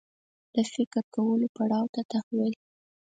د فکر کولو پړاو ته تحول